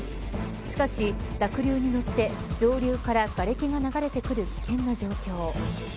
しかし、濁流にのって上流からがれきが流れてくる危険な状況。